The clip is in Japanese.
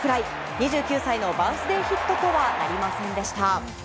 ２９歳のバースデーヒットとはなりませんでした。